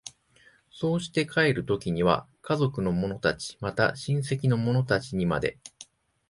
そうして帰る時には家族の者たち、また親戚の者たちにまで、